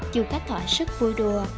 du khách họa sức vui đùa